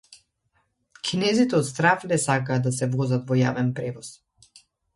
Кинезите од страв не сакаат да се возат во јавен превоз